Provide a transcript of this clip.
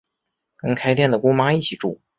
跟开店的姑妈一起住